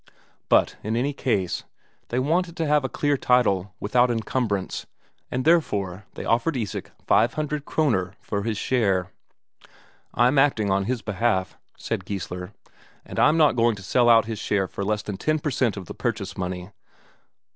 But in any case, they wanted to have a clear title, without encumbrance, and therefore they offered Isak five hundred Kroner for his share. "I'm acting on his behalf," said Geissler, "and I'm not going to sell out his share for less than ten per cent. of the purchase money."